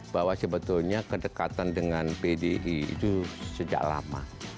bahwa sebetulnya kedekatan dengan pdi itu sejak lama